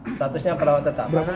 statusnya perawat tetap